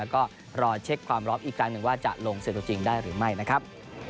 แล้วก็รอเช็คความพร้อมอีกครั้งหนึ่งว่าจะลงเสร็จตัวจริงได้หรือไม่นะครับ